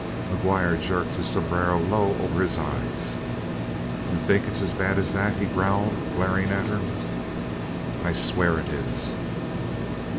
McGuire jerked his sombrero low over his eyes. "You think it's as bad as that?" he growled, glaring at her. "I swear it is!"